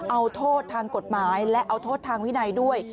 เอาโทษทางกฎหมายและเอาโทษทางวินัยด้วย